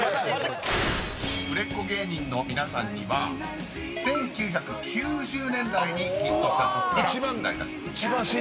［売れっ子芸人の皆さんには１９９０年代にヒットした曲から出題いたします］